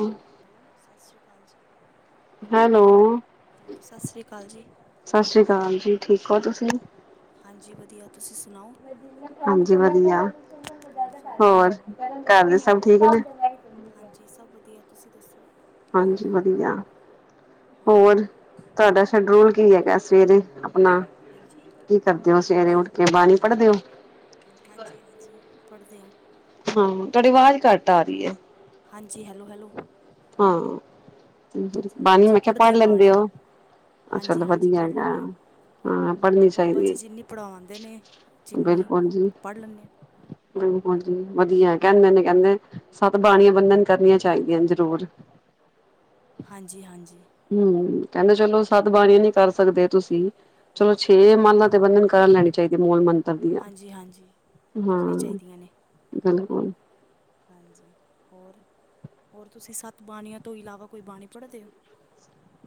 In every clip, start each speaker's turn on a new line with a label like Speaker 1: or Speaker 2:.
Speaker 1: ਹਮ [inaudible]
Speaker 2: [unintelligible] ਸਤਿ ਸ਼੍ਰੀ ਅਕਾਲ ਜੀ
Speaker 1: ਹੈਲੋ
Speaker 2: ਹੈਲੋ ਸਤਿ ਸ਼੍ਰੀ ਅਕਾਲ ਜੀ
Speaker 1: ਸਤਿ ਸ੍ਰੀ ਅਕਾਲ ਜੀ ਠੀਕ ਹੋ ਤੁਸੀਂ
Speaker 2: ਹਾਂਜੀ ਵਧੀਆ ਤੁਸੀਂ ਸੁਣਾਓ
Speaker 1: ਹਾਂਜੀ ਵਧੀਆ ਹੋਰ ਘਰ ਦੇ ਸਭ ਠੀਕ ਨੇ
Speaker 2: ਹਾਂਜੀ ਸਭ ਵਧੀਆ ਤੁਸੀਂ ਦੱਸੋ
Speaker 1: ਹਾਂਜੀ
Speaker 2: ਕਿਵੇਂ ਹੋ
Speaker 1: ਵਧੀਆ
Speaker 2: ਹਾਂਜੀ
Speaker 1: ਹੋਰ ਤੁਹਾਡਾ ਸ਼ਡਊਲ ਕੀ ਹੈਗਾ ਸਵੇਰੇ ਆਪਣਾ
Speaker 2: ਹੇਂਜੀ-
Speaker 1: ਕੀ ਕਰਦੇ ਹੋ ਸਵੇਰੇ ਉੱਠ ਕੇ ਬਾਣੀ ਪੜ੍ਹਦੇ ਓ
Speaker 2: ਹਾਂਜੀ-ਹਾਂਜੀ ਪੜ੍ਹਦੇ ਆਂ
Speaker 1: ਹਾਂ ਤੁਹਾਡੀ ਆਵਾਜ਼ ਘੱਟ ਆ ਰਹੀ ਐ
Speaker 2: ਹਾਂਜੀ ਹੈਲੋ-ਹੈਲੋ
Speaker 1: ਹਾਂ ਬਾਣੀ
Speaker 2: ਹਾਂਜੀ
Speaker 1: ਮੈਂ ਕੇਆ
Speaker 2: ਪੜ੍ਹਦੇ
Speaker 1: ਪੜ
Speaker 2: ਆ
Speaker 1: ਲੈਂਦੇ
Speaker 2: ਬਾਣੀ
Speaker 1: ਹੋ? ਅਹ
Speaker 2: ਹਾਂਜੀ
Speaker 1: ਚੱਲ
Speaker 2: ਹਾਂਜੀ
Speaker 1: ਵਧੀਆ
Speaker 2: ਪੜ੍ਹ
Speaker 1: ਹੈਗਾ
Speaker 2: ਲੈਂਦੇ ਹਾਂ
Speaker 1: ਹਾਂ ਪੜ੍ਹਨੀ
Speaker 2: ਬਾਬਾ
Speaker 1: ਚਾਹੀਦੀ
Speaker 2: ਜੀ ਜਿੰਨੀ ਪੜ੍ਹਾਉਂਦੇ ਨੇ
Speaker 1: ਐ
Speaker 2: ਜਿੰਨੀ
Speaker 1: ਬਿਲਕੁਲ ਜੀ
Speaker 2: ਪੜ੍ਹ ਲੈਂਦੇ ਹਾਂ
Speaker 1: ਬਿਲਕੁਲ ਜੀ ਵਧੀਆ ਕਹਿੰਦੇ ਨੇ ਕਹਿੰਦੇ ਸੱਤ ਬਾਣੀਆਂ ਬੰਦੇ ਨੂਂ ਕਰਨੀਆਂ ਚਾਹੀਦੀਆਂ ਜਰੂਰ
Speaker 2: ਹਾਂਜੀ-ਹਾਂਜੀ
Speaker 1: ਹੂੰ ਕਹਿੰਦੇ ਚਲੋ ਸਤ ਬਾਣੀਆ ਨੀ ਕਰ ਸਕਦੇ ਤੁਸੀਂ ਚਲੋ ਛੇ
Speaker 2: ਹਾਂ
Speaker 1: ਮਾਲਾਂ ਤੇ ਬੰਦੇ ਨੂੰ ਕਰਨ ਲੈਣੇ ਚਾਹੀਦੀ ਮੂਲ ਮੰਤਰ ਵਧੀਆ
Speaker 2: ਹਾਂਜੀ ਹਾਂਜੀ
Speaker 1: ਹਾਂ
Speaker 2: ਕਰਨੀ ਚਾਹੀਦੀਆਂ ਨੇ
Speaker 1: ਬਿਲਕੁਲ
Speaker 2: ਹਾਂਜੀ ਹੋਰ-ਹੋਰ ਤੁਸੀਂ ਸੱਤ ਬਾਣੀਆਂ ਤੋਂ ਇਲਾਵਾ ਕੋਈ ਬਾਣੀ ਪੜ੍ਹਦੇ ਓ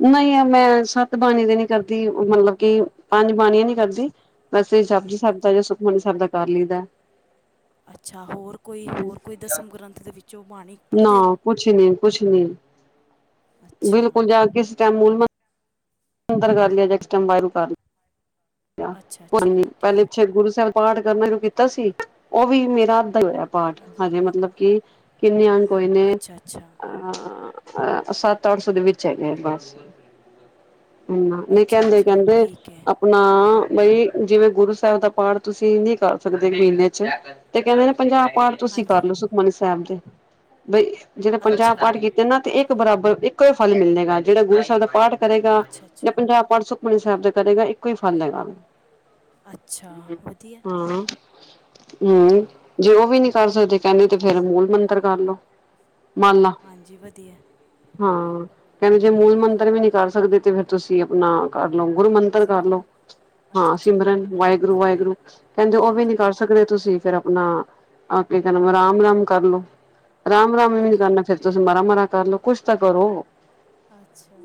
Speaker 1: ਨਹੀਂ ਮੈਂ ਸੱਤ ਬਾਣੀ ਤੇ ਨੀ ਕਰਦੀ ਮਤਲਬ ਕਿ ਪੰਜ ਬਾਣੀ ਨੀ ਕਰਦੀ ਵੈਸੇ
Speaker 2: ਹਾਂ
Speaker 1: ਜਾਪਜੀ
Speaker 2: ਹਾਂ
Speaker 1: ਸਾਬ
Speaker 2: ਹਾਂਜੀ
Speaker 1: ਦਾ ਯਾ ਸੁਖਮਨੀ ਸਾਹਿਬ ਦਾ ਕਰ ਲਈਦਾ
Speaker 2: ਅੱਛਾ ਹੋਰ ਕੋਈ ਹੋਰ ਕੋਈ ਦਸਮ ਗ੍ਰੰਥ ਦੇ ਵਿੱਚੋਂ ਬਾਣੀ
Speaker 1: ਨਾ
Speaker 2: ਪੜ੍ਹਦੇ ਹੋ
Speaker 1: ਕੁਛ ਨੀ, ਕੁਛ ਨੀ
Speaker 2: ਅੱਛਾ
Speaker 1: ਬਿਲਕੁਲ ਜਾ ਕੇ ਇਸ ਟਮ ਮੂਲ ਮਂਤਰ ਕਰ ਲਿਆ ਜੈਸ ਟਾਈਮ ਵਾਹਗੁਰੂ ਕਰ ਲਿਆ
Speaker 2: ਅੱਛਾ ਅੱਛਾ
Speaker 1: ਪਹਿਲੇ
Speaker 2: ਠੀਕ
Speaker 1: ਛੇ
Speaker 2: ਹੈ
Speaker 1: ਗੁਰੂ ਸਾਹਿਬ ਪਾਠ ਕਰਨਾ ਜੋ ਕੀਤਾ ਸੀ ਉਹ ਵੀ ਮੇਰਾ ਅੱਧਾ ਈ ਹੋਇਆ ਪਾਠ
Speaker 2: ਹਾਂਜੀ
Speaker 1: ਹਜੇ
Speaker 2: ਹਾਂਜੀ
Speaker 1: ਮਤਲਬ ਕਿ ਕਿੰਨੇ ਅੰਗ ਹੋਏ ਨੇ
Speaker 2: ਅੱਛਾ ਅੱਛਾ
Speaker 1: ਹਾਂ ਸਤ ਅਠਸੋ ਦੇ ਵਿੱਚੱ ਹੈਗੇ ਨੇ ਬੱਸ ਹਮ [unintelligible] ਨਹੀਂ ਕਹਿੰਦੇ-ਕਹਿੰਦੇ
Speaker 2: ਕੇ
Speaker 1: ਆਪਣਾ ਬਈ ਜਿਵੇਂ, ਗੁਰੂ ਸਾਹਿਬ ਦਾ, ਪਾਠ ਤੁਸੀਂ ਨੀ ਕਰ ਸਕਦੇ। ਮਹੀਨੇ ਚ, ਤੇ ਕਹਿੰਦੇ ਨੇ ਪੰਜਾਹ ਪਾਠ, ਤੁਸੀਂ
Speaker 2: ਹਾਂਜੀ
Speaker 1: ਕਰਲੋ ਸੁਖਮਨੀ ਸਾਹਿਬ ਦੇ। ਬਈ ਜਿਦੇ ਪੰਜਾਬ
Speaker 2: ਅੱਛਾ
Speaker 1: ਪਾਠ ਕੀਤਾ ਹਨਾਂ। ਤੇ ਇੱਕ ਬਰਾਬਰ, ਇੱਕੋ ਹੀ ਫਲ ਮਿਲਲੇਗਾ। ਜਿਹੜਾ ਗੁਰੂ ਸਾਹਿਬ ਦਾ ਪਾਠ, ਕਰੇਗਾ
Speaker 2: ਅੱਛਾ
Speaker 1: ਜਾਂ
Speaker 2: ਅੱਛਾ
Speaker 1: ਪੰਜਾਹ ਪਾਠ ਸੁਖਮਨੀ ਸਾਹਿਬ, ਦਾ ਕਰੇਗਾ। ਇੱਕੋ ਹੀ ਫਲ ਹੈਗਾ।
Speaker 2: ਅੱਛਾ ਵਧੀਆ
Speaker 1: ਹਾਂ, ਹਮ
Speaker 2: ਹਾਂਜੀ
Speaker 1: ਜੇ ਉਹ ਵੀ ਨਹੀਂ ਕਰ ਸਕਦੇ ਕਹਿੰਦੇ ਤੇ ਫੇਰ ਮੂਲ ਮੰਤਰ ਕਰਲੋ, ਮਾਲਾ
Speaker 2: ਹਾਂਜੀ ਵਧੀਆ
Speaker 1: ਹਾਂ ਕਹਿੰਦੇ ਜੇ ਮੂਲ
Speaker 2: ਹਮ,
Speaker 1: ਮੰਤਰ ਵੀ ਨਹੀਂ ਕਰ ਸਕਦੇ ਤੇ ਫਿਰ ਤੁਸੀਂ ਆਪਣਾ ਕਰ ਲਓ, ਗੁਰੂ ਮੰ ਕਰਲਓ,
Speaker 2: ਸਿਮਰਨ ਅੱਛਾ
Speaker 1: ਹਾਂ
Speaker 2: ਅੱਛਾ
Speaker 1: ਸਿਮਰਨ ਵਾਹਿਗੁਰੂ -ਵਾਹਿਗੁਰੂ ਕਹਿੰਦੇ ਉਹ ਵੀ
Speaker 2: ਹਾਂਜੀ
Speaker 1: ਨੀ ਕਰ ਸਕਦੇ ਤੁਸੀਂ ਫੇਰ ਆਪਣਾ ਆਪ ਕਹਿ ਰਾਮ- ਰਾਮ ਕਰ ਲਓ, ਰਾਮ- ਰਾਮ ਵੀ ਨਹੀਂ
Speaker 2: ਹਾਂਜੀ
Speaker 1: ਕਰਨਾ ਫੇਰ ਤੁਸੀਂ ਮਾੜਾ-ਮਾੜਾ ਕਰਲੋ ਕੁਛ ਤਾਂ ਕਰੋ।
Speaker 2: ਅੱਛਾ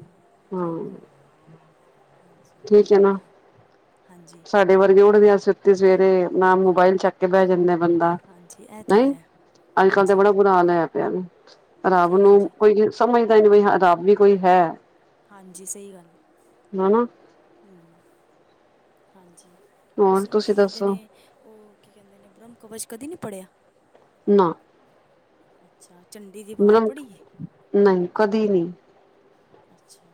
Speaker 1: ਹਾਂ
Speaker 2: ਠੀਕ ਏ। ਹਾਂਜੀ
Speaker 1: ਠੀਕ ਹੈ ਨਾ।
Speaker 2: ਵਧੀਆ, ਹਾਂਜੀ।
Speaker 1: ਸਾਡੇ ਵਰਗੇ ਉਠਦੇ ਆ ਛੇਤੀ ਸਵੇਰੇ ਨਾਲ ਮੋਬਾਇਲ ਚੱਕ ਕੇ ਬਹਿ ਜਾਂਦੇ ਆ। ਬੰਦਾ
Speaker 2: ਹਾਂਜੀ ਇਹ ਤਾਂ
Speaker 1: ਨ‌ਈ
Speaker 2: ਹੈ
Speaker 1: ਅੱਜ-ਕੱਲ ਤੇ
Speaker 2: ਹਾਂਜੀ
Speaker 1: ਬੜਾ। ਬੁਰਾ ਹਾਲ ਹੋਇਆ ਪਿਆ ਵੇ, ਰੱਬ
Speaker 2: ਹਾਂਜੀ
Speaker 1: ਨੂੰ
Speaker 2: ਹਾਂਜੀ
Speaker 1: ਕੋਈ ਸਮਝਦਾ ਨਹੀਂ ਬਈ ਰੱਬ ਵੀ ਕੋਈ ਹੈ।
Speaker 2: ਹਾਂਜੀ ਸਹੀ ਗੱਲ ਏ,
Speaker 1: ਹਨਾ।
Speaker 2: ਹੂੰ‌, ਹਾਂਜੀ।
Speaker 1: ਹੋਰ
Speaker 2: ਤੁਸੀਂ ਕੀ ਕਹਿੰਦੇ
Speaker 1: ਦੱਸੋ
Speaker 2: ਨੇ, ਓਹ ਕੀ ਕਹਿੰਦੇ ਨੇ ਬ੍ਰਹਮ ਕਵਚ ਕਦੀ ਨੀ ਪੜ੍ਹਿਆ?
Speaker 1: ਨਾ,
Speaker 2: ਅੱਛਾ ਚੰਡੀ ਦੀ ਵਾਰ
Speaker 1: ਮਤਲਬ
Speaker 2: ਪੜ੍ਹੀ ਏ
Speaker 1: ਮੈਨੂੰ ਕਦੀ ਨੀ।
Speaker 2: ਅੱਛਾ,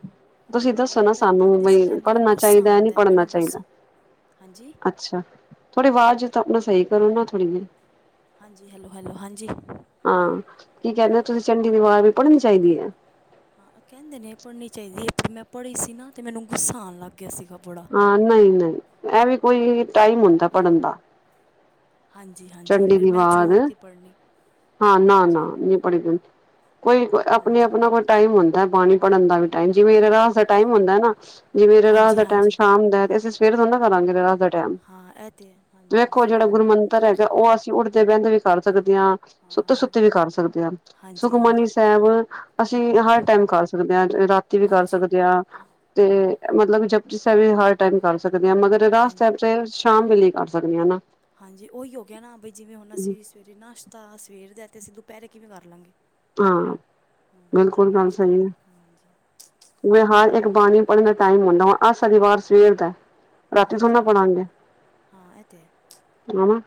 Speaker 2: ਹਾਂ
Speaker 1: ਦੱਸੋ
Speaker 2: ਮੈਂ
Speaker 1: ਨਾ
Speaker 2: ਪਹਿਲੇ
Speaker 1: ਸਾਨੂੰ
Speaker 2: ਪੜ੍ਹਦੀ ਸੀ
Speaker 1: ਬਈ
Speaker 2: ਕਹਿੰਦੇ ਨੇ
Speaker 1: ਪੜ੍ਹਨਾ
Speaker 2: ਗੁੱਸਾ
Speaker 1: ਚਾਹੀਦਾ ਨਹੀਂ
Speaker 2: ਆਂਦਾ ਐ,
Speaker 1: ਪੜ੍ਹਨਾ
Speaker 2: ਮੈਨੂੰ ਗੁੱਸਾ
Speaker 1: ਚਾਹੀਦਾ
Speaker 2: ਹਾਂਜੀ?
Speaker 1: ਅੱਛਾ ਥੋੜੀ ਆਵਾਜ਼ ਤਾਂ ਆਪਣਾ ਸਹੀ ਕਰੋ ਨਾ ਥੋੜ੍ਹੀ ਜਹੀ।
Speaker 2: ਹਾਂਜੀ ਹੈਲੋ ਹੈਲੋ ਹਾਂਜੀ
Speaker 1: ਹਾਂ, ਕੀ ਕਹਿਣੇ ਓ
Speaker 2: ਹਾਂਜੀ
Speaker 1: ਤੁਸੀਂ ਚੰਡੀ ਦੀ ਵਾਰ ਵੀ ਪੜਨੀ ਚਾਹੀਦੀ ਹੈ?
Speaker 2: ਹਾਂ, ਕਹਿੰਦੇ ਨੇ ਪੜ੍ਹਨੀ ਚਾਹੀਦੀ ਐ, ਪਰ ਮੈਂ ਪੜ੍ਹੀ ਸੀ ਨਾ ਤੇ ਮੈਨੂੰ ਗੁੱਸਾ ਆਣ ਲੱਗ ਗਿਆ ਸੀ ਗਾ ਬੜਾ।
Speaker 1: ਹਾਂ, ਨਹੀਂ ਨਹੀਂ ਇਹ ਵੀ ਕੋਈ ਟਾਈਮ ਹੁੰਦਾ ਪੜ੍ਹਨ ਦਾ।
Speaker 2: ਹਾਂਜੀ-ਹਾਂਜੀ,
Speaker 1: ਚੰਡੀ
Speaker 2: ਫੇਰ
Speaker 1: ਦੀ
Speaker 2: ਮੈਂ ਛੋੜ
Speaker 1: ਵਾਰ
Speaker 2: ਤੀ ਪੜ੍ਹਨੀ।
Speaker 1: ਹਾਂ ਨਾ ਨਾ
Speaker 2: ਹਾਂਜੀ
Speaker 1: ਨ‌ਈ ਪੜੀ ਹੋਈ। ਕੋਈ
Speaker 2: ਹਾਂਜੀ
Speaker 1: ਆਪਣੇ-ਆਪਣਾ ਕੋਈ ਟਾਈਮ ਹੁੰਦਾ ਬਾਣੀ ਪੜ੍ਹਨ ਦਾ ਵੀ ਟਾਈਮ, ਜਿਵੇਂ ਰਹਿਰਾਸ
Speaker 2: ਹਾਂਜੀ
Speaker 1: ਦਾ
Speaker 2: ਹਾਂ
Speaker 1: ਟਾਈਮ ਹੁੰਦਾ ਨਾ ਜਿਵੇ ਰਹਿਰਾਸ
Speaker 2: ਹਾਂਜੀ
Speaker 1: ਦਾ ਟਾਈਮ
Speaker 2: ਹਾਂਜੀ
Speaker 1: ਸ਼ਾਮ ਦਾ, ਤੇ ਅਸੀਂ ਸਵੇਰ ਥੋੜੀ ਨਾ ਕਰਾਂਗੇੇ ਰਹਿਰਾਸ
Speaker 2: ਹਾਂ ਇਹ ਤਾਂ ਹੈ ਹਾਂਜੀ
Speaker 1: ਵੇਖੋ
Speaker 2: ਸਹੀ
Speaker 1: ਜਿਹੜਾ
Speaker 2: ਗੱਲ
Speaker 1: ਗੁਰ
Speaker 2: ਹੈ
Speaker 1: ਮੰਤਰ ਹੈਗਾ ਉਹ ਅਸੀਂ ਉਠਦੇ ਬਹਿੰਦੇ ਵੀ ਕਰ ਸਕਦੇ ਹਾਂ। ਸੁੱਤੇ
Speaker 2: ਹਾਂ
Speaker 1: ਸੁੱਤੇ ਵੀ ਕਰ ਸਕਦੇ ਆ।
Speaker 2: ਹਾਂਜੀ
Speaker 1: ਸੁਖਮਨੀ
Speaker 2: ਹਾਂਜੀ
Speaker 1: ਸਾਹਿਬ ਅਸੀਂ ਹਰ ਟਾਈਮ ਕਰ ਸਕਦੇ ਆ ਰਾਤੀ ਵੀ ਕਰ
Speaker 2: ਹਾਂਜੀ
Speaker 1: ਸਕਦੇ ਆ। ਤੇ ਮਤਲਬ ਜਪਜੀ ਸਾਹਿਬ ਵੀ ਹਰ ਟਾਈਮ ਕਰ ਸਕਦੇ ਹਾਂ, ਮਗਰ
Speaker 2: ਹਾਂਜੀ
Speaker 1: [unintelligible] ਸ਼ਾਮ ਵੇਲੇ ਕਰ ਸਕਦੇ ਆ ਨਾ।
Speaker 2: ਹਾਂਜੀ ਓਹੀ ਹੋ ਗਿਆ ਨਾ ਬਈ ਜਿਵੇਂ ਹੁਣ ਅਸੀਂ। ਫੇਰ ਨਾਸ਼ਤਾ ਸਵੇਰ ਦਾ ਤੇ ਅਸੀਂ ਦੁਪਹਿਰੇ ਕਿਵੇਂ ਕਰ ਲਾਂਗੇ?
Speaker 1: ਹਾਂ,
Speaker 2: ਹਾਂ
Speaker 1: ਬਿਲਕੁਲ ਗੱਲ
Speaker 2: ਨਾਸ਼ਤਾ
Speaker 1: ਸਹੀ ਐ,
Speaker 2: ਹਾਂਜੀ
Speaker 1: ਮੈਂ ਹਰ ਇੱਕ
Speaker 2: ਹੂੰ
Speaker 1: ਬਾਣੀ ਪੜਨ ਦਾ ਟਾਈਮ ਹੁੰਦਾ ਹੁਣ ਅੱਜ ਸ਼ਨੀਵਾਰ ਸਵੇਰ ਦਾ। ਰਾਤੀ ਥੋੜੀ
Speaker 2: ਹਾਂਜੀ,
Speaker 1: ਨਾ ਪੜਾਂਗੇ
Speaker 2: ਹਾਂ ਐਹ ਤੇ ਹੈ।
Speaker 1: ਹਨਾ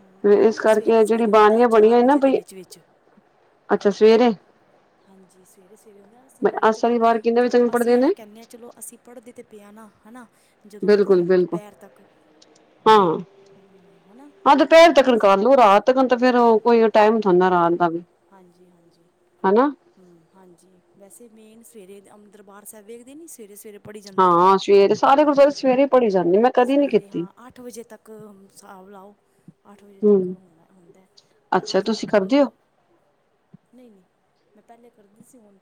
Speaker 2: ਹੂੰ
Speaker 1: ਤੇ
Speaker 2: ਉਹ
Speaker 1: ਏਸ
Speaker 2: ਵੀ ਸਵੇਰੇ
Speaker 1: ਕਰਕੇ ਜਿਹੜੀ
Speaker 2: ਸਵੇਰੇ ਹੁੰਦਾ
Speaker 1: ਬਾਣੀਆਂ
Speaker 2: ਚਾਰ
Speaker 1: ਬਣੀਆਂ ਨਾ
Speaker 2: ਵਜੇ ਦੇ
Speaker 1: ਬਈ
Speaker 2: ਵਿੱਚ ਵਿੱਚ
Speaker 1: ਅੱਛਾ ਸਵੇਰੇ।
Speaker 2: ਹਾਂਜੀ ਸਵੇਰੇ-ਸਵੇਰੇ ਨਾ ਅਸੀਂ
Speaker 1: ਬਈ
Speaker 2: ਲੋਕ
Speaker 1: ਆਹ
Speaker 2: ਚਲੋ
Speaker 1: ਸ਼ਨੀਵਾਰ ਕਿੰਨੇ ਵਜੇ
Speaker 2: ਜਦੋਂ
Speaker 1: ਤੱਕ ਪੜ੍ਹਦੇ
Speaker 2: ਅਸੀਂ ਐਹ
Speaker 1: ਨੇ
Speaker 2: ਕਹਿਣੇ ਆ ਚਲੋ ਅਸੀਂ ਪੜ੍ਹਦੇ ਤੇ ਪਏ ਆ ਨਾ ਹਨਾ, ਜਦੋਂ
Speaker 1: ਬਿਲਕੁਲ
Speaker 2: ਮਰਜ਼ੀ
Speaker 1: ਬਿਲਕੁਲ
Speaker 2: ਦੁਪਹਿਰ ਤੱਕ।
Speaker 1: ਹਾਂ।
Speaker 2: ਹੂੰ, ਹਨਾ?
Speaker 1: ਆਹ ਦੁਪਹਿਰ ਤੱਕਣ ਕਰ ਲਓ ਰਾਤ ਤਕਣ ਤਾਂ ਫੇਰ ਕੋਈ ਟਾਈਮਦਾ ਰਾਤ ਦਾ ਵੀ।
Speaker 2: ਹਾਂਜੀ-ਹਾਂਜੀ।
Speaker 1: ਹਨਾ?
Speaker 2: ਹੂੰ, ਹਾਂਜੀ ਵੈਸੇ ਮੇਨ ਸਵੇਰੇ ਅ ਦਰਬਾਰ ਸਾਹਿਬ ਵੇਖਦੇ ਨੀ ਸਵੇਰੇ-ਸਵੇਰੇ ਪੜੀ ਜਾਂਦੀ ਏ,
Speaker 1: ਹਾਂ ਸਵੇਰੇ ਸਾਰੇ ਗੁਰਦੁਆਰੇ
Speaker 2: ਹਾਂਜੀ
Speaker 1: ਸਵੇਰੇ ਪੜ੍ਹੀ ਜਾਂਦੀ ਮੈਂ ਕਦੀ ਨੀ
Speaker 2: ਸਵੇਰੇ
Speaker 1: ਕੀਤੀ
Speaker 2: ਹਾਂ ਅੱਠ ਵਜੇ ਤੱਕ ਹਿਸਾਬ ਲਾਓ ਅੱਠ ਵਜੇ
Speaker 1: ਹੂੰ
Speaker 2: ਤੱਕ ਹੋਣਾ ਹੁੰਦਾ ਪਰ
Speaker 1: ਅੱਛਾ
Speaker 2: ਅੱਜ
Speaker 1: ਤੁਸੀਂ ਕਰਦੇ ਹੋ
Speaker 2: ਕੱਲ੍ਹ ਨਈ-ਨਈ। ਮੈਂ ਪੈਲੇ ਕਰਦੀ ਸੀ ਹੁਨ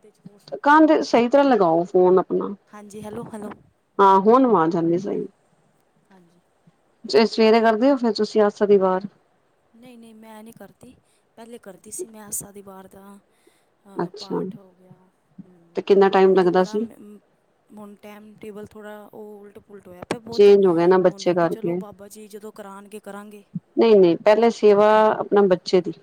Speaker 1: ਕੰਧ ਸਈ ਤਰ੍ਹਾਂ ਲਗਾਓ ਫੋਨ ਅਪਨਾ।
Speaker 2: ਹਾਂਜੀ ਹੈਲੋ ਹੈਲੋ
Speaker 1: ਹਾਂ ਹੁਨ ਆਵਾਜ਼ ਆਂਦੀ ਸਈ।
Speaker 2: ਹਾਂਜੀ।
Speaker 1: ਸਵੇਰੇ ਕਰਦੇ ਹੋ? ਫੇਰ ਤੁਸੀਂ ਆਸਾ ਦੀ ਵਾਰ?
Speaker 2: ਨਹੀਂ- ਨਹੀਂ, ਮੈਂ ਨਹੀਂ ਕਰਦੀ। ਪਹਿਲੇ ਕਰਦੀ ਸੀ। ਮੈਂ ਆਸਾ ਦੀ ਵਾਰ ਦਾ ਹਾਂ
Speaker 1: ਅੱਛਾ
Speaker 2: ਪਾਠ ਹੋ ਗਿਆ।
Speaker 1: ਤੇ ਕਿੰਨਾ
Speaker 2: ਹੁਣ
Speaker 1: ਟਾਈਮ
Speaker 2: ਤਾਂ
Speaker 1: ਲੱਗਦਾ
Speaker 2: ਬੜਾ
Speaker 1: ਸੀ
Speaker 2: ਮ ਹੁਣ ਟਾਈਮ ਟੇਬਲ, ਥੋੜਾ ਉਹ ਉਲਟ- ਪੁਲਟ ਹੋਇਆ ਪਿਆ। ਬਹੁਤ
Speaker 1: ਚੇਂਜ ਹੋ ਗਿਆ ਨਾ ਬੱਚੇ
Speaker 2: ਹੁਣ ਚਲੋ
Speaker 1: ਕਰਕੇ
Speaker 2: ਬਾਬਾ ਜੀ ਜਦੋਂ, ਕਰਾਉਣਗੇ, ਕਰਾਂਗੇ।
Speaker 1: ਨਹੀਂ- ਨਹੀਂ, ਪਹਿਲੇ ਸੇਵਾ ਆਪਣਾ ਬੱਚੇ ਦੀ।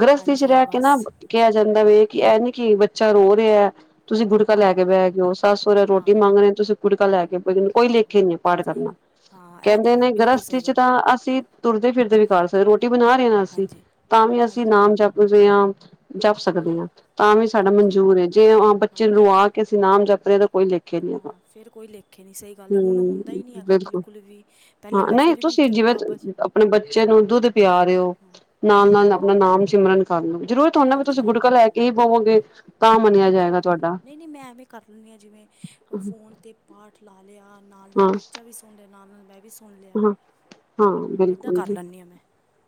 Speaker 1: ਗ੍ਰਸਥੀ ਚ
Speaker 2: ਹਾਂਜੀ
Speaker 1: ਰਹਿ ਕੇ
Speaker 2: ਬਸ
Speaker 1: ਨਾ ਕਿਹਾ ਜਾਂਦਾ ਵਾ। ਕਿ, ਇਹ ਨੀ ਕੀ, ਬੱਚਾ ਰੋ ਰਿਹਾ। ਤੁਸੀਂ ਗੁਰੂ ਕੁੜਕਾ ਲੈ ਕੇ
Speaker 2: ਹਾਂਜੀ
Speaker 1: ਬੈਠ, ਗਏ ਹੋ। ਸੱਸ- ਸਹੁਰੇ,
Speaker 2: ਹਾਂ
Speaker 1: ਰੋਟੀ ਮੰਗ ਰਹੇ, ਤੁਸੀਂ ਕੁੜਕਾ ਲੈ ਕੇ। ਕੋਈ
Speaker 2: ਹਾਂ
Speaker 1: ਲੇਖੇ ਨੀ ਪਾਠ
Speaker 2: ਸਹੀ
Speaker 1: ਕਰਨਾ।
Speaker 2: ਗੱਲ ਹਾਂ ਇਹ ਤਾਂ
Speaker 1: ਕਹਿੰਦੇ
Speaker 2: ਹੈ
Speaker 1: ਨੇ,
Speaker 2: ਬਿਲਕੁਲ
Speaker 1: ਗ੍ਰਸਤੀ
Speaker 2: ਸਹੀ
Speaker 1: ਚ
Speaker 2: ਗੱਲ
Speaker 1: ਤਾਂ ਅਸੀਂ ਤੁਰਦੇ- ਫਿਰਦੇ ਵੀ ਕਰ ਸਕਦੇ। ਰੋਟੀ ਬਣਾ ਰਹੇ ਹਾਂ, ਨਾ ਅਸੀਂ।
Speaker 2: ਹਾਂਜੀ
Speaker 1: ਤਾਂ ਵੀ ਅਸੀਂ
Speaker 2: ਹਾਂਜੀ
Speaker 1: ਨਾਮ ਜਪਦੇ ਹਾਂ। ਜਪ
Speaker 2: ਹਾਂ
Speaker 1: ਸਕਦੇ ਹਾਂ।
Speaker 2: ਬਿਲਕੁਲ
Speaker 1: ਤਾਂ ਵੀ ਸਾਡਾ
Speaker 2: ਹਾਂਜੀ
Speaker 1: ਮਨਜੂਰ ਹੈ। ਜੇ ਬੱਚੇ ਨੂੰ ਰੂੰ
Speaker 2: ਹਾਂਜੀ
Speaker 1: ਆ ਕੇ, ਅਸੀਂ ਨਾਮ ਜਪ ਰਹੇ। ਤਾਂ ਕੋਈ ਲਿਖ
Speaker 2: ਹਾਂ ਫੇਰ ਕੋਈ ਲੇਖੇ ਨਹੀਂ। ਸਹੀ ਗੱਲ ਏ। ਹੁਣ ਹੁੰਦਾ ਹੀ ਨਹੀਂ ਹੈਗਾ। ਬਿਲਕੁਲ ਵੀ, ਪਹਿਲੇ
Speaker 1: ਹਾਂ
Speaker 2: ਮੈਂ
Speaker 1: ਨਹੀਂ
Speaker 2: ਫੇਰ ਵੀ
Speaker 1: ਤੁਸੀਂ
Speaker 2: ਚਲੋ
Speaker 1: ਜਿਵੇਂ
Speaker 2: ਬਾਬਾ ਜੀ
Speaker 1: ਆਪਣੇ ਬੱਚੇ ਨੂੰ, ਦੁੱਧ ਪਿਆ ਰਹੇ ਹੋ। ਨਾਲ- ਨਾਲ
Speaker 2: ਹਾਂਜੀ
Speaker 1: ਆਪਣਾ, ਨਾਮ ਸਿਮਰਨ ਕਰ ਲਓ। ਜ਼ਰੂਰ ਤੁਹਾਨੂ, ਵੀ
Speaker 2: ਹਾਂਜੀ
Speaker 1: ਤੁਸੀਂ ਗੁਟਕਾ
Speaker 2: ਹਾਂਜੀ
Speaker 1: ਲੈ ਕੇ ਹੀ ਪਵੋਗੇ। ਤਾਂ ਮੰਨਿਆ
Speaker 2: ਹਾਂਜੀ
Speaker 1: ਜਾਏਗਾ ਤੁਹਾਡਾ।
Speaker 2: ਨਹੀਂ ਨਹੀਂ ਮੈਂ ਐਵੇਂ ਕਰ ਲੈਂਦੀ ਹਾਂ ਜਿਵੇਂ ਫੋਨ ਤੇ, ਪਾਠ ਲਾ ਲਿਆ। ਨਾਲ-
Speaker 1: ਹਾਂ
Speaker 2: ਨਾਲ ਬੱਚਾ ਵੀ, ਸੁਣ ਰਿਆ। ਨਾਲ ਨਾਲ ਮੈਂ ਵੀ ਸੁਣ ਲਿਆ
Speaker 1: ਹਾਂ, ਹਾਂ
Speaker 2: ਇੱਦਾਂ
Speaker 1: ਬਿਲਕੁਲ
Speaker 2: ਕਰ
Speaker 1: ਜੀ।
Speaker 2: ਲੈਂਦੀ ਹਾਂ ਮੈਂ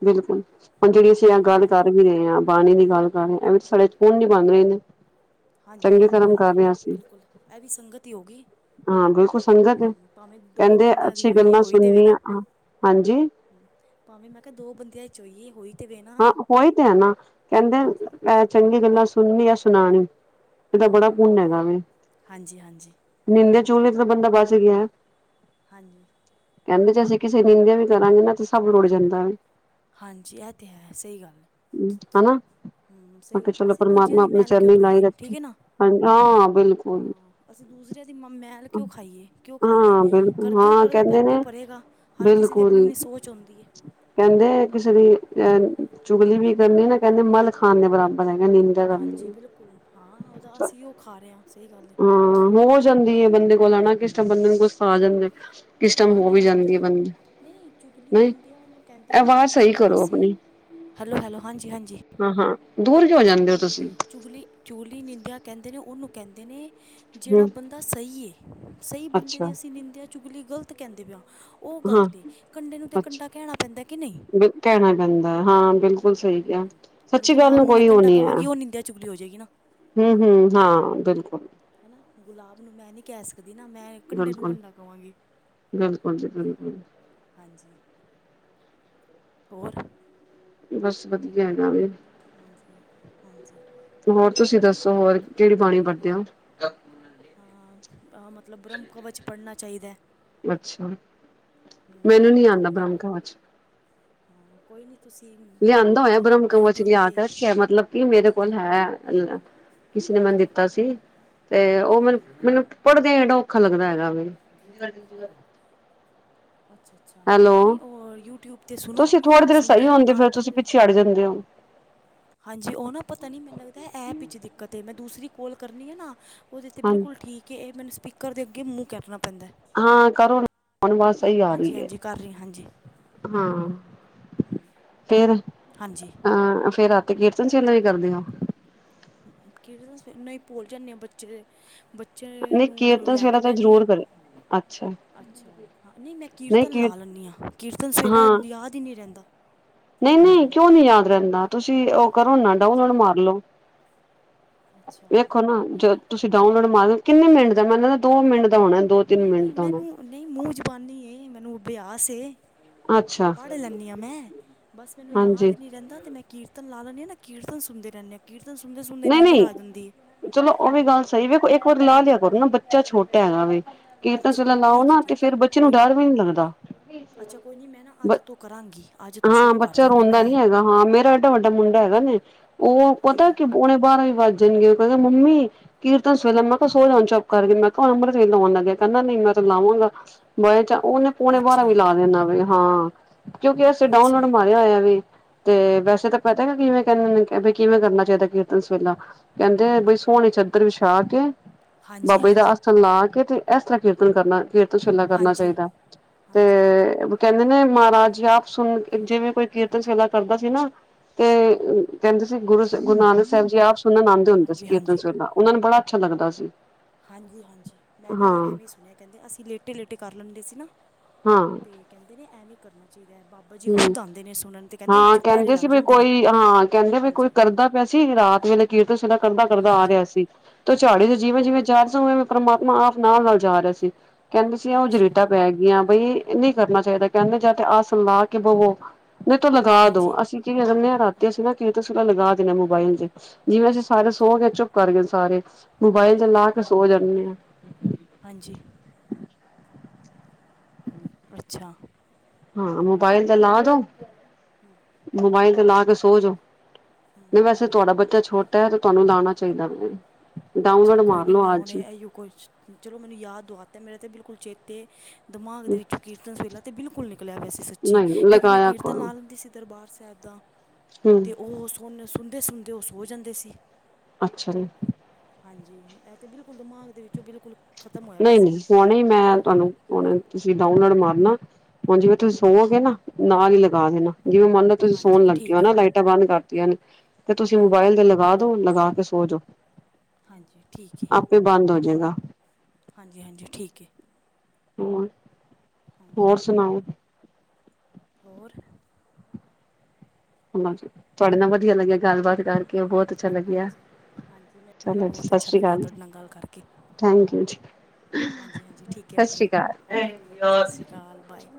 Speaker 1: ਬਿਲਕੁਲ, ਹੁਣ ਜਿਹੜੀ ਅਸੀਂ
Speaker 2: ਹਾਂ
Speaker 1: ਗੱਲ, ਕਰ ਵੀ ਰਹੇ ਆ। ਬਾਣੀ ਦੀ ਗੱਲ ਕਰ ਰਹੇ। ਐਵੀ ਸਾੜੇ ਚ ਪੁਨ ਹੀ ਬੰਦ ਰਹੇ ਨੇ।
Speaker 2: ਹਾਂਜੀ-
Speaker 1: ਚੰਗੇ
Speaker 2: ਹਾਂਜੀ,
Speaker 1: ਕਰਮ
Speaker 2: ਇਹ
Speaker 1: ਕਰ
Speaker 2: ਤਾਂ
Speaker 1: ਰਹੇ
Speaker 2: ਹੈ।
Speaker 1: ਅਸੀਂ
Speaker 2: ਬਿਲਕੁਲ ਇਹ ਵੀ, ਸੰਗਤ ਹੀ ਹੋ ਗਈ।
Speaker 1: ਹਾਂ ਬਿਲਕੁਲ, ਸੰਗਤ ਹੈ।
Speaker 2: ਹੂੰ ਭਾਵੇਂ ਦੋ
Speaker 1: ਕਹਿੰਦੇ
Speaker 2: ਬੰਦਿਆਂ ਦੀ
Speaker 1: ਅੱਛੀ
Speaker 2: ਹੋਈਏ
Speaker 1: ਗੱਲਾਂ
Speaker 2: ਹੋਈ ਤਾਂ ਵੇ ਨਾ
Speaker 1: ਸੁਣਿਆਂ, ਹਾਂਜੀ।
Speaker 2: ਭਾਵੇਂ ਮੈਂ ਕਿਹਾ, ਦੋ ਬੰਦਿਆਂ ਚ ਹੋਈਏ ਹੋਈ। ਤਾਂ ਵੇ ਨਾ
Speaker 1: ਹਾਂ, ਉਹੀ ਤੇ ਹੈ ਨਾ। ਕਹਿੰਦੇ
Speaker 2: ਹਾਂਜੀ
Speaker 1: ਇਹ ਚੰਗੀ ਗੱਲਾਂ, ਸੁਣਨੀ ਜਾਂ ਸੁਣਾਣੀ ਕਹਿੰਦੇ ਬੜਾ ਪੁੰਨ ਹੈਗਾ ਵੇ।
Speaker 2: ਹਾਂਜੀ ਹਾਂਜੀ
Speaker 1: ਨਿੰਦਾ- ਚੁਗਲੀ ਤੋਂ, ਤਾਂ ਬੰਦਾ ਬਚ ਗਿਆ।
Speaker 2: ਹਾਂਜੀ।
Speaker 1: ਕਹਿੰਦੇ ਜੇ ਅਸੀਂ, ਕਿਸੇ ਨਿੰਂਦਿਆਂ ਵੀ ਕਰਾਂਗੇ ਨਾ, ਤੇ ਸਭ ਰੋੜ ਜਾਂਦਾ ਵੇ।
Speaker 2: ਹਾਂਜੀ। ਇਹ ਤੇ ਹੈ, ਸਹੀ ਗੱਲ।
Speaker 1: ਹੂੰ ਹਨਾ,
Speaker 2: ਹੂੰ
Speaker 1: ਮੈ
Speaker 2: ਸਹੀ
Speaker 1: ਕਿਹਾ
Speaker 2: ਗੱਲ
Speaker 1: ਚਲੋ,
Speaker 2: ਅਸੀਂ ਦੂਜਿਆਂ
Speaker 1: ਪਰਮਾਤਮਾ
Speaker 2: ਦੀ
Speaker 1: ਆਪਣੇ
Speaker 2: ਮੈਲ ਕਿਉਂ
Speaker 1: ਚਰਨੀ ਲਾਈ
Speaker 2: ਧੋਈਏ
Speaker 1: ਰੱਖੇ।
Speaker 2: ਠੀਕ ਹੈ ਨਾ
Speaker 1: ਹਾਂਜੀ। ਹਾਂ ਬਿਲਕੁਲ,
Speaker 2: ਹਾਂ ਅਸੀਂ ਦੂਸਰਿਆਂ ਦੀ ਮ ਮੈਲ ਕਿਉਂ ਖਾਈਏ ਕਿਉਂ ਖਾਈਏ
Speaker 1: ਹਾਂ
Speaker 2: ਕਰ
Speaker 1: ਬਿਲਕੁਲ।
Speaker 2: ਜੋ
Speaker 1: ਹਾਂ।
Speaker 2: ਕਰਦਾ ਪਿਆ
Speaker 1: ਕਹਿੰਦੇ
Speaker 2: ਆਪੇ
Speaker 1: ਨੇ,
Speaker 2: ਭਰੇਗਾ ਹਰ ਕਿਸੇ ਦੀ
Speaker 1: ਬਿਲਕੁਲ।
Speaker 2: ਆਪਣੀ ਆਪਣੀ ਸੋਚ ਹੁੰਦੀ ਹੈ
Speaker 1: ਕਹਿੰਦੇ ਕਿਸੇ ਦੀ, ਅਹ ਚੁਗਲੀ ਵੀ ਕਰਨੀ ਨਾ। ਕਹਿੰਦੇ ਮਲ ਖਾਨ ਦੇ, ਬਰਾਬਰ ਹੈਗਾ ਨੀ।
Speaker 2: ਹਾਂਜੀ ਬਿਲਕੁਲ ਹਾਂ ਉਹਦਾ
Speaker 1: ਹਾਂ।
Speaker 2: ਅਸੀਂ ਉਹ ਖਾ ਰਹੇ ਹਾਂ ਸਹੀ ਗੱਲ ਹੈ
Speaker 1: ਹੋ ਜਾਂਦੀ ਹੈ, ਬੰਦੇ ਕੋਲ ਆ। ਨਾ ਕਿਸ ਬੰਦੇ ਨੂੰ ਕੁਛ, ਸ ਆ
Speaker 2: ਹਾਂ
Speaker 1: ਜਾਂਦਾ। ਕਿਸ ਟਾਈਮ ਹੋ ਵੀ, ਜਾਂਦੀ ਹੈ ਬੰਦੇ
Speaker 2: ਨਹੀਂ-ਨਹੀਂ, ਚੁਗਲੀ
Speaker 1: ਨਹੀਂ
Speaker 2: ਨਿੰਦਿਆ ਉਹਨੂੰ ਕਹਿੰਦੇ ਨੇ।
Speaker 1: ਆਵਾਜ਼ ਸਹੀ
Speaker 2: ਜਿਹੜੇ
Speaker 1: ਕਰੋ
Speaker 2: ਅਸੀਂ,
Speaker 1: ਆਪਣੀ
Speaker 2: ਹੈਲੋ- ਹੈਲੋ, ਹਾਂਜੀ- ਹਾਂਜੀ।
Speaker 1: ਹਾਂ- ਹਾਂ। ਦੂਰ ਕਿਉਂ ਹੋ ਜਾਂਦੇ ਹੋ ਤੁਸੀਂ?
Speaker 2: ਚੁਗਲੀ। ਚੁਗਲੀ, ਨਿੰਦਿਆ ਕਹਿੰਦੇ ਨੇ। ਉਹਨੂੰ ਕਹਿੰਦੇ ਨੇ ਜਿਹੜਾ
Speaker 1: ਹਮ
Speaker 2: ਬੰਦਾ ਸਹੀ ਹੈ। ਸਹੀ ਬੰਦੇ
Speaker 1: ਅੱਛਾ
Speaker 2: ਦੀ ਅਸੀਂ, ਨਿੰਦਿਆ, ਚੁਗਲੀ ਗ਼ਲਤ ਕਹਿੰਦੇ ਪਏ ਹਾਂ। ਉਹ
Speaker 1: ਹਾਂ
Speaker 2: ਗਲਤ ਏ। ਕੰਡੇ ਨੂੰ ਤੇ,
Speaker 1: ਅੱਛਾ
Speaker 2: ਕੰਡਾ ਕਹਿਣਾ ਪੈਂਦਾ ਕਿ ਨਹੀਂ?
Speaker 1: ਕਹਿਣਾ ਪੈਂਦਾ ਏ। ਹਾਂ, ਬਿਲਕੁਲ ਸਹੀ। ਕਿਹਾ
Speaker 2: ਹੁਣ
Speaker 1: ਸੱਚੀ ਗੱਲ
Speaker 2: ਗੁਲਾਬ ਨੂੰ, ਮੈਂ
Speaker 1: ਕੋਈ ਉਹ
Speaker 2: ਕੰਡਾ
Speaker 1: ਨੀ ਹੈ
Speaker 2: ਕਵਾਂਗੀ। ਉਹ ਨਿੰਦਿਆ, ਚੁਗਲੀ ਹੋ ਜਾਏਗੀ ਨਾ।
Speaker 1: ਹੂੰ- ਹੂੰ। ਹਾਂ, ਬਿਲਕੁਲ।
Speaker 2: ਹਨਾ। ਗੁਲਾਬ ਨੂੰ, ਮੈਂ ਨਹੀਂ ਕਹਿ ਸਕਦੀ ਨਾ। ਮੈਂ ਕੰਡੇ ਨੂੰ,
Speaker 1: ਬਿਲਕੁਲ
Speaker 2: ਕੰਡਾ ਕਵਾਂਗੀ।
Speaker 1: ਬਿਲਕੁਲ ਜੀ ਬਿਲਕੁਲ
Speaker 2: ਹਾਂਜੀ। ਹੋਰ?
Speaker 1: ਬਸ ਵਧੀਆ, ਹੈਗਾ ਵੇ।
Speaker 2: ਹਾਂਜੀ। ਹਾਂਜੀ।
Speaker 1: ਹੋਰ ਤੁਸੀਂ ਦੱਸੋ? ਹੋਰ ਕਿਹੜੀ ਬਾਣੀ ਪੜਦੇ ਹੋ? [unintelligible]
Speaker 2: ਹਾਂ ਮਤਲਬ ਬ੍ਰਹਮ ਕਵਚ ਪੜ੍ਹਨਾ ਚਾਹੀਦਾ।
Speaker 1: ਅੱਛਾ
Speaker 2: ਹੂੰ
Speaker 1: ਮੈਨੂੰ ਨੀ
Speaker 2: ਪੜ੍ਹਨਾ
Speaker 1: ਆਉਂਦਾ
Speaker 2: ਚਾਹੀਦਾ ਹੈ
Speaker 1: ਬ੍ਰਹਮ ਕਵਚ।
Speaker 2: ਹਾਂ ਕੋਈ ਨਹੀਂ ਤੁਸੀਂ
Speaker 1: ਲਿਆਂਦਾ
Speaker 2: ਉਹ
Speaker 1: ਹੋਇਆ ਬ੍ਰਹਮ ਕਵਚ
Speaker 2: ਯੂਟਊਬ
Speaker 1: ਲਿਆ ਕੇ
Speaker 2: 'ਤੇ। [inaudible]
Speaker 1: ਰੱਖਿਆ ਮਤਲਬ [unintelligible]
Speaker 2: ਹਾਂਜੀ
Speaker 1: ਦਿਤਾ ਸੀ ਤੇ ਓ
Speaker 2: ਹਾਂਜੀ
Speaker 1: ਮੈਨੂੰ
Speaker 2: ਹਾਂਜੀ
Speaker 1: ਮੈਨੂੰ ਪੜ੍ਹਦਿਆਂ ਈ ਏਡਾ ਔਖਾ ਲੱਗਦਾ ਹੈਗਾ ਵੇ।
Speaker 2: ਅੱਛਾ-ਅੱਛਾ ਹਾਂ ਨੀ
Speaker 1: ਹੈਲੋ
Speaker 2: ਓ ਯੂਟਿਊਬ ਤੇ ਸੁਣੋ
Speaker 1: ਤੁਸੀਂ ਥੋੜ੍ਹੀ ਦੇਰ ਸਹੀ
Speaker 2: ਸੁਣਦੇ ਰੋ
Speaker 1: ਹੁੰਦੇ
Speaker 2: ਨਾਲ
Speaker 1: ਫਿਰ
Speaker 2: ਪੜ੍ਹਦੇ ਰੋ।
Speaker 1: [unintelligible] ਜਾਂਦੇ ਓ।
Speaker 2: ਹਾਂਜੀ ਓ ਨਾ ਪਤਾ ਨੀ ਮੈਨੂੰ ਲੱਗਦਾ ਐਪ ਵਿੱਚ ਦਿੱਕਤ ਏ ਮੈਂ ਦੂਸਰੀ ਕੋਲ ਕਰਨੀ ਆ ਨਾ ਓਦੇ ਤੇ
Speaker 1: ਹਾਂਜੀ
Speaker 2: ਬਿਲਕੁਲ ਠੀਕ ਏ ਏ ਮੈਨੂੰ ਸਪੀਕਰ ਦੇ ਅੱਗੇ ਮੂੰਹ ਕਰਨਾ ਪੈਂਦਾ।
Speaker 1: ਹਾਂ ਕਰੋ ਹੁਣ ਆਵਾਜ਼ ਸਹੀ ਆ
Speaker 2: ਹਾਂਜੀ
Speaker 1: ਰੀ ਐ।
Speaker 2: ਹਾਂਜੀ [unintelligible]
Speaker 1: ਫੇਰ?
Speaker 2: ਹਾਂਜੀ।
Speaker 1: ਹਾਂ ਫੇਰ ਰਾਤੀ ਕੀਰਤਨ ਸੋਹਿਲਾ ਵੀ ਕਰਦੇ ਓ?
Speaker 2: ਕੀਰਤਨ ਸੋਹਿਲਾ ਨਹੀ ਪੋਲ ਜਾਂਨੇ ਆਂ ਬੱਚੇ ਤੇ ਬੱਚੇ
Speaker 1: ਨਹੀਂ
Speaker 2: ਨੂੰ
Speaker 1: ਕੀਰਤਨ
Speaker 2: ਲੈ ਕੇ
Speaker 1: ਸਵੇਲਾ ਤਾਂ
Speaker 2: ਬੈਨੇ ਆਂ।
Speaker 1: ਜ਼ਰੂਰ ਕਰੇ। ਅੱਛਾ।
Speaker 2: ਅੱਛਾ ਹਾਂ ਨਹੀ ਮੈਂ
Speaker 1: ਨਹੀਂ
Speaker 2: ਕੀਰਤਨ
Speaker 1: ਕੀ
Speaker 2: ਲਾ ਲੈਣੀ ਆ ਕੀਰਤਨ ਸੋਹਿਲਾ ਯਾਦ ਈ ਨੀ ਰੈਂਦਾ।
Speaker 1: ਨਹੀ-ਨਹੀ ਕਿਉਂ ਨੀ ਯਾਦ ਰੈਂਦਾ ਤੁਸੀਂ ਓ ਕਰੋ ਨਾ
Speaker 2: ਅੱਛਾ
Speaker 1: ਡਾਊਨਲੋਡ ਮਾਰ ਲੋੋ
Speaker 2: ਅੱਛਾ
Speaker 1: ਵੇਖੋ ਨਾ
Speaker 2: ਨਹੀਂ
Speaker 1: ਜ
Speaker 2: ਨਹੀਂ
Speaker 1: ਤੁਸੀਂ ਡਾਊਨਲੋਡ ਮਾਰ ਲੋ, ਕਿੰਨੇ ਮਿੰਟ ਦਾ ਮੈਂਨ ਲਗਦਾ ਦੋ ਮਿੰਟ ਦਾ ਹੋਣਾ ਦੋ ਤਿੰਨ
Speaker 2: ਨਹੀ-ਨਹੀ
Speaker 1: ਮਿੰਟ ਦਾ ਹੋਣਾ।
Speaker 2: ਮੈਨੂੰ ਨਈ ਮੂੰਹ ਜਬਾਨੀ ਏ ਮੈਨੂੰ ਅਭਿਆਸ ਏ।
Speaker 1: ਅੱਛਾ
Speaker 2: ਪੜ੍ਹ ਲੈਂਨੀ ਆ ਮੈਂ ਬਸ ਮੈਨੂੰ ਯਾਦ
Speaker 1: ਹਾਂਜੀ
Speaker 2: ਨੀ ਰੈਂਦਾ ਤੇ ਮੈਂ ਕੀਰ ਕੀਰਤਨ ਲਾ ਲੈਂਨੀ ਆਂ ਨਾ ਕੀਰਤਨ ਸੁਣਦੇ ਰੈਦੇ ਆਂ ਕੀਰਤਨ ਸੁਣਦੇ-ਸੁਣਦੇ
Speaker 1: ਨਹੀਂ
Speaker 2: ਨੀਂਦਰ
Speaker 1: ਨਹੀਂ
Speaker 2: ਆ ਜਾਂਦੀ ਏ।
Speaker 1: ਚਲੋ ਓ ਵੀ ਗੱਲ ਸਈ ਵੇਖੋ ਇੱਕ ਵਾਰ ਲਾਹ ਲਿਆ ਕਰੋ ਨਾ ਬੱਚਾ ਛੋਟਾ ਹੈਗਾ ਵੀ ਕੀਰਤਨ ਸੋਹਿਲਾ
Speaker 2: ਅੱਛਾ
Speaker 1: ਲਾਓ
Speaker 2: ਠੀਕ ਹੈ
Speaker 1: ਨਾ ਤੇ
Speaker 2: ਠੀਕ ਹੈ
Speaker 1: ਫੇਰ ਬੱਚੇ ਨੂੰ
Speaker 2: ਕੋਈ ਨਹੀਂ
Speaker 1: ਡਰ ਵੀ ਨੀ ਲੱਗਦਾ।
Speaker 2: ਅੱਛਾ ਕੋਈ ਨੀ ਮੈਂ ਨਾ
Speaker 1: ਬ
Speaker 2: ਅੱਜ ਤੋਂ ਕਰਾਂਗੀ। ਅੱਜ ਤੋਂ
Speaker 1: ਹਾਂ
Speaker 2: ਸ਼ੁਰੂ ਕਰ
Speaker 1: ਬੱਚਾ
Speaker 2: ਦਾਂਗੀ
Speaker 1: ਰੋਂਦਾ
Speaker 2: ਮੈਂ
Speaker 1: ਨੀ ਹੈਗਾ ਹਾਂ ਮੇਰਾ ਏਡਾ ਵੱਡਾ ਮੁੰਡਾ ਹੈਗਾ ਨੇ। ਓਹ ਪਤਾ
Speaker 2: ਹਾਂਜੀ
Speaker 1: ਕਿ ਪੋਣੇ ਬਾਰਾਂ ਈ ਵੱਜ ਜਾਣਗੇ ਓ ਕਹਿੰਦਾ ਮੰਮੀ, ਕੀਰਤਨ ਸੋਹੇਲਾ ਮੈਂ ਕਹਾ ਸੋ ਜਾ ਹੁਣ ਚੁਪ ਕਰਕੇ ਮੈਂ ਕਹਆ ਅੰਮ੍ਰਿਤ ਵੇਲਾ ਹੋਣ ਲੱਗਾ ਕੈਂਦਾ ਨਈ ਮੈਂ ਤਾਂ ਲਾਵਾਂਗਾ। [unintelligible] ਉਹਨੇ ਪੌਣੇ ਬਾਰਾ ਵੀ
Speaker 2: ਅੱਛਾ
Speaker 1: ਲਾ ਲਿਆ ਹਾਂ ਕਿਉਂਕਿ ਅਸੀਂ ਡਾਊਨਲੋਡ
Speaker 2: ਅੱਛਾ
Speaker 1: ਮਾਰ ਹੋਇਆ ਏ ਵੇ ਤੇ ਵੈਸੇ ਤਾਂ ਪਤਾ ਕਿਵੇਂ ਕਹ ਕਿਵੇਂ ਕਰਨਾ ਚਾਹੀਦਾ ਕੀਰਤਨ ਸੋਹਿਲਾ, ਕੈਂਦੇ ਐ ਬਈ ਸੋਣੀ ਚਦਰ ਵਿਛਾ ਕੇ
Speaker 2: ਹਾਂਜੀ
Speaker 1: ਬਾਬਾ ਜੀ ਦਾ
Speaker 2: ਹਾਂਜੀ
Speaker 1: [unintelligible] ਆਸਣ ਲਾ ਕੇ ਤੇ ਐਸ ਤਰ੍ਹਾਂ ਕੀਰਤਨ ਕਰਨਾ ਕੀਰਤਨ ਸੋਹਿਲਾ ਕਰਨਾ
Speaker 2: ਹਾਂਜੀ
Speaker 1: ਚਾਈਦਾ ਤੇ
Speaker 2: ਹਾਂਜੀ
Speaker 1: ਕੈਂਦੇ ਨੇ ਮਹਾਰਾਜ ਆਪ ਸੁਣ ਜਿਵੇਂ ਕੋਈ ਕੀਰਤਨ ਸੋਹਿਲਾ ਕਰਦਾ ਸੀ ਨਾ ਤੇ ਕੈਂਦੇ ਸੀ ਗੁਰੂ ਗੁਰੂ ਨਾਨਕ ਸਾਹਿਬ ਜੀ ਆਪ ਸੁਣਨ ਆਉਂਦੇ ਹੁੰਦੇ ਸੀ
Speaker 2: ਹਾਂਜੀ
Speaker 1: ਕੀਰਤਨ
Speaker 2: ਹਾਂਜੀ
Speaker 1: ਸਵੇਲਾ ਉਹਨਾਂ ਨੂੰ ਬੜਾ ਅੱਛਾ ਲੱਗਦਾ ਸੀ।
Speaker 2: ਹਾਂਜੀ ਹਾਂਜੀ ਮੈਂ ਵੀ
Speaker 1: ਹਾਂ
Speaker 2: ਐਹੀ ਐਵੀ ਸੁਣਿਆ ਕੈਂਦੇ ਅਸੀਂ ਲੇਟੇ-ਲੇਟੇ ਕਰ ਲੈਂਦੇ ਸੀ ਨਾ।
Speaker 1: ਹਾਂ।
Speaker 2: ਤੇ ਕੈਂਦੇ ਨੇ ਐਵੇ ਈ ਕਰਨਾ ਚਾਈਦਾ ਬਾ
Speaker 1: ਹੂੰ ਹਾਂ ਕੈਂਦੇ
Speaker 2: ਲੱਗ
Speaker 1: ਸੀ ਵੀ
Speaker 2: ਜਾਂਦੇ ਨੇ
Speaker 1: ਕੋਈ ਹਾਂ ਕੈਂਦੇ ਵੀ ਕੋਈ
Speaker 2: ਹਾਂਜੀ
Speaker 1: ਕਰਦਾ ਪਿਆ ਸੀ ਰਾਤ ਵੇਲੇ ਕੀਰਤਨ ਸੋਹੇਲਾ ਕਰਦਾ-ਕਰਦਾ ਆ
Speaker 2: ਹਾਂਜੀ
Speaker 1: ਰਿਆ ਸੀ ਤੇ ਝਾੜੇ ਤੋਂ
Speaker 2: ਹਮ
Speaker 1: ਜਿਵੇਂ-ਜਿਵੇਂ ਜਾ ਰਹਿਆ ਸੀ ਉਵੇਂ ਉਵੇਂ ਪਰਮਾਤਮਾ ਆਪ ਨਾਲ-ਨਾਲ ਜਾ ਰਿਆ ਸੀ ਕੈਂਦੇ ਸੀ ਓ
Speaker 2: ਅੱਛਾ
Speaker 1: ਚਰੀਠਾਂ ਪੈ ਗੀਆ ਬਈ ਨਹੀ ਕਰਨਾ ਚਾਈਦਾ ਕਹਿੰਦੇ ਜਾਂ ਤੇ ਆਸਨ ਲਾ ਕੇ ਬਵੋ ਨਹੀਂ ਤੋ ਲਗਾ ਦੋ
Speaker 2: ਹਾਂਜੀ
Speaker 1: ਅਸੀਂ ਅਸੀ ਕਯਾ ਕਰਨੇ ਆ ਰਾਤੀ
Speaker 2: ਹੂੰ,
Speaker 1: ਅਸੀ ਨਾ ਕੀਰਤਨ ਸੋਹਿਲਾ ਲਗਾ ਦੇਨੇ ਆ ਮੋਬਾਇਲ ਤੇ ਜਿਵੇਂ ਅਸੀਂ ਸਾਰੇ
Speaker 2: ਅੱਛਾ
Speaker 1: ਸੋ ਗਏ ਚੁੱਪ ਕਰ ਗਏ ਸਾਰੇ ਮੋਬਾਇਲ ਚ
Speaker 2: ਹੂੰ,
Speaker 1: ਲਾ ਕੇ ਸੋ ਜਾਂਨੇ ਆ।
Speaker 2: ਹਾਂਜੀ।
Speaker 1: [inaudible]
Speaker 2: [unintelligible]
Speaker 1: ਹਾਂ, ਮੋਬਾਇਲ ਦਾ ਲਾਦੋ।
Speaker 2: ਹੂੰ।
Speaker 1: ਮੋਬਾਇਲ ਤੇ ਲਾਕੇ ਸੋਜੋੋ, ਨਈ
Speaker 2: ਹੂੰ,
Speaker 1: ਵੈਸੇ ਤੁਹਾਡਾ ਬੱਚਾ ਛੋ ਤੈ, ਤੇ ਤੁਹਾਨੂੰ ਲਾਣਾ ਚਾਹੀਦਾ ਵੇ, ਡਾਊਨਲੋਡ ਮਾਰਲੋ ਅੱਜ ਹੀ।
Speaker 2: ਕੁਛ, ਚਲੋ ਮੈਨੂੰ ਯਾਦ ਦਵਾ ਤੈ, ਮੇਰੇ ਤੈ ਬਿਲਕੁਲ ਚੇਤੇ ਦਿਮਾਗ ਦੇ ਵਿੱਚੋ ਕੀਰਤਨ ਸੋਹਿਲਾ ਤੇ ਬਿਲਕੁਲ ਨਿਕਲਿਆ ਪਇਆ ਸੀ ਸੱਚੀ,
Speaker 1: ਨਹੀਂ
Speaker 2: ਕਿਉਂਕਿ ਮੈਂ
Speaker 1: ਲਗਾਇਆ
Speaker 2: ਕੀਰਤਨ
Speaker 1: ਕਰੋ
Speaker 2: ਲਾ ਲੈਂਦੀ ਸੀ ਦਰਬਾਰ ਸਾਹਿਬ ਦਾ।
Speaker 1: ਹੂੰ
Speaker 2: ਤੇ ਓਹ, ਸੋੱਨੇ, ਸੁਣਦੇ-ਸੁਣਦੇ ਓਹ ਸੋ ਜਾਂਦੇ ਸੀ।
Speaker 1: ਅੱਛਾ ਜੀ।
Speaker 2: ਹਾਂਜੀ, ਐ ਤੇ ਬਿਲਕੁਲ ਦਿਮਾਗ ਦੇ ਵਿੱਚੋਂ ਬਿਲਕੁਲ ਖਤਮ ਹੋਇਆ ਪਿਆ ਸੀ
Speaker 1: ਨਹੀਂ-ਨਹੀਂ ਹੋਣੇ ਹੀ, ਮੈਂ
Speaker 2: ਬਈ
Speaker 1: ਤੁਹਾਨੂੰ ਹੋਂਣੇ
Speaker 2: ਕੀਰਤਨ
Speaker 1: ਤੁਸੀਂ ਡਾਊਨਲੋਡ ਮਾਰਨਾ, ਹੁਣ ਜਿਵੇਂ ਤੁਸੀਂ ਸੋਵੇਂਗੇ ਨਾ ਨਾਲ ਹੀ ਲਗਾ ਦੇਣਾ, ਜਿਵੇਂ ਮੰਨਲਾ ਤੁਸੀਂ ਸੋਣ
Speaker 2: ਹਾਂਜੀ
Speaker 1: ਲੱਗੇ ਹੋ
Speaker 2: ਠੀਕ ਹੈ
Speaker 1: ਨਾ ਲਾਈਟਾਂ ਬੰਦ ਕਰਤੀਆਂ ਨੇ, ਤੇ ਤੁਸੀਂ
Speaker 2: ਹਾਂਜੀ
Speaker 1: ਮੋਬਾਇਲ ਤੇ ਲਗਾਦੋ, ਲਗਾਕੇ ਸੋਜੋ।
Speaker 2: ਹਾਂਜੀ, ਠੀਕ ਏ।
Speaker 1: ਬੰਦ ਹੋ ਜੇਗਾ।
Speaker 2: ਹਾਂਜੀ-ਹਾਂਜੀ, ਠੀਕ ਏ।
Speaker 1: ਹੋਰ,
Speaker 2: ਹਾਂਜੀ
Speaker 1: ਹੋਰ ਸੁਣਾਓ?
Speaker 2: ਹੋਰ।
Speaker 1: ਹ ਬਾਚੋ ਤਵਾਡੇ ਨਾਲ ਵਧੀਆ ਲੱਗਿਆ ਗੱਲਬਾਤ ਕਰਕੇ, ਬਹੁਤ ਅੱਛਾ ਲੱਗਿਆ
Speaker 2: ਹਾਂਜੀ, ਹਾਂਜੀ, ਮੈਨੂੰ ਵੀ ਬਹੁਤ ਅੱਛਾ ਲੱਗਿਆ, ਤੁਹਾਡੇ ਨਾਲ ਗੱਲ ਕਰਕੇ।
Speaker 1: ਥੈਂਕ-ਯੂ ਜੀ।
Speaker 2: ਹਾਂਜੀ-ਹਾਂਜੀ, ਠੀਕ ਹੈ
Speaker 1: ਸਤਿ
Speaker 2: ਓਕੇ,
Speaker 1: ਸ੍ਰੀ ਅਕਾਲ
Speaker 2: ਓਕੇ। ਸਤ ਸ਼੍ਰੀ ਅਕਾਲ, ਬਾਏ।